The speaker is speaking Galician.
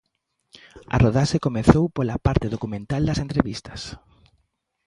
A rodaxe comezou pola parte documental das entrevistas.